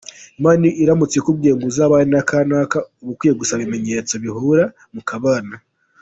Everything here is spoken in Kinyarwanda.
Imana iramutse ikubwiye ko uzabana na kanaka uba ukwiye gusaba ibimenyetso wabona bihura mukabana.